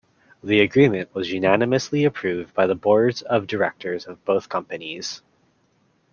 The agreement was unanimously approved by the boards of directors of both companies.